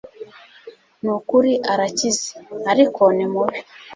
Nukuri arakize, ariko ni mubi.